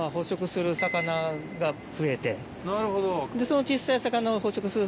なるほど。